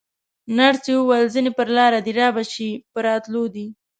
نرسې وویل: ځینې پر لاره دي، رابه شي، په راتلو دي.